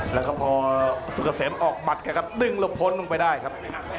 แล้วพอสุษเกษมออกมัตต์กันดึงลบพ้นลงไปได้ครับ